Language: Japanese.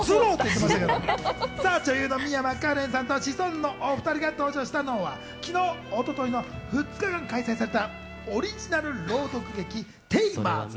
女優の美山加恋さんとシソンヌのお２人が登場したのは、昨日、一昨日の２日間開催されたオリジナル朗読劇『ＴＡＭＥＲＳ』。